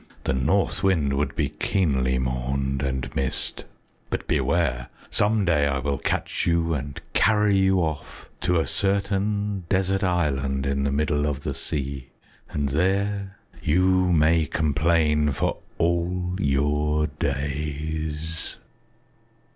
The North Wind would be keenly mourned and missed. But beware! Some day I will catch you and carry you off to a certain desert island in the middle of the sea, and there you may complain for all your days."